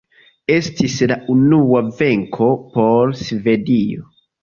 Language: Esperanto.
Estis la unua venko por Svedio.